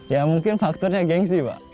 ya mungkin faktornya gengsi pak